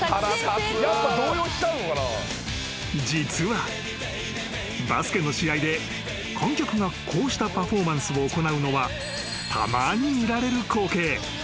［実はバスケの試合で観客がこうしたパフォーマンスを行うのはたまに見られる光景。